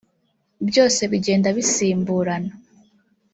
byose bigenda bisimburana